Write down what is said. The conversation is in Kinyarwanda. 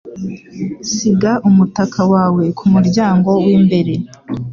Siga umutaka wawe kumuryango wimbere.